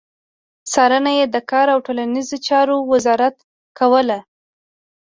څارنه يې د کار او ټولنيزو چارو وزارت کوله.